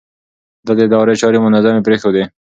ده د ادارې چارې منظمې پرېښودې.